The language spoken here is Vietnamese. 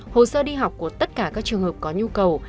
hồ sơ đi học của tất cả các trường hợp có nhu cầu